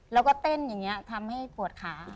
แล้วก็เต้นอย่างนี้ทำให้ปวดขา